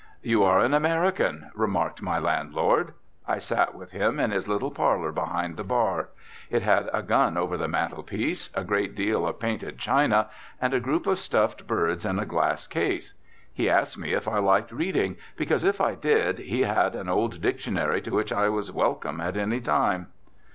"You are an American," remarked my landlord. I sat with him in his little parlour behind the bar. It had a gun over the mantelpiece, a great deal of painted china and a group of stuffed birds in a glass case. He asked me if I liked reading, because, if I did, he had an old dictionary to which I was welcome at any time.